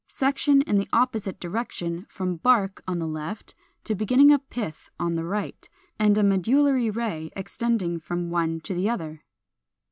Section in the opposite direction, from bark (on the left) to beginning of pith (on the right), and a medullary ray extending from one to the other.